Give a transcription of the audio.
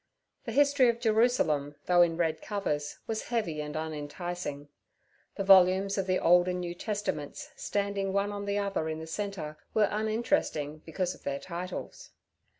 The 'History of Jerusalem' though in red covers, was heavy and unenticing. The volumes of the Old and New Testaments, standing one on the other in the centre, were uninteresting because of their titles.